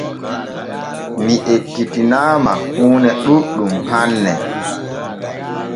Mi ekkitinaama huune ɗuuɗɗum hanne.